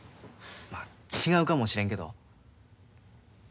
ま違うかもしれんけど。